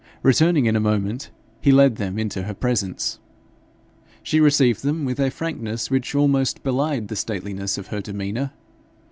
Returning in a moment, he led them into her presence. She received them with a frankness which almost belied the stateliness of her demeanour.